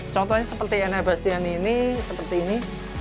contohnya seperti enea bastianini seperti ini